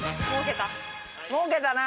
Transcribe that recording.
もうけたな。